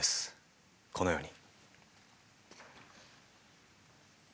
このように。